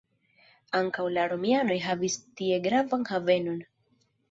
Ankaŭ la romianoj havis tie gravan havenon.